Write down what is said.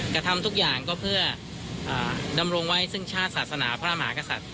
กระทำทุกอย่างก็เพื่อดำรงไว้ซึ่งชาติศาสนาพระมหากษัตริย์